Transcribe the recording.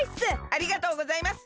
ありがとうございます！